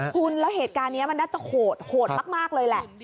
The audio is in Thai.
คุณแล้วเหตุการณ์นี้มันน่าจะโหดโหดมากเลยแหละ